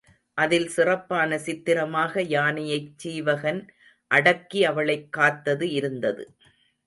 அதில் சிறப்பான சித்திரமாக யானையைச் சீவகன் அடக்கி அவளைக் காத்தது இருந்தது.